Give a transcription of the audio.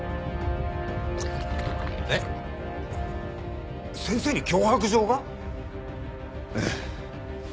えっ先生に脅迫状が？ええ。